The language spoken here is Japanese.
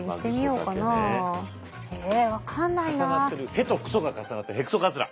「ヘ」と「クソ」が重なってるヘクソカズラ。